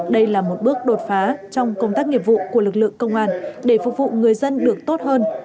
đây là một bước đột phá trong công tác nghiệp vụ của lực lượng công an để phục vụ người dân được tốt hơn